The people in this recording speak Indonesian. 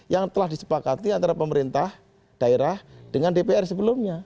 yang telah disepakati antara pemerintah daerah dengan dpr sebelumnya